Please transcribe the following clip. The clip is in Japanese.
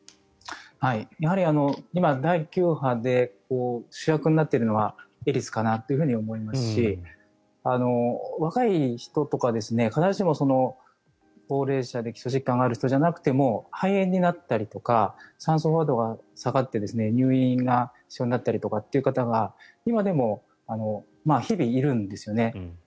やはり今、第９波で主役になっているのはエリスかなと思いますし若い人とか必ずしも高齢者で基礎疾患がある人じゃなくても肺炎になったりとか酸素濃度が下がって入院が必要になったりという方が今でも日々、いるんですよね。